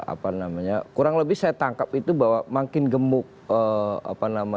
apa namanya kurang lebih saya tangkap itu bahwa makin gemuk apa nama